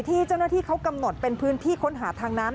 ที่เจ้าหน้าที่เขากำหนดเป็นพื้นที่ค้นหาทางน้ำ